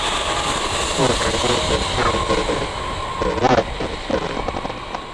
负担家庭照顾的主要角色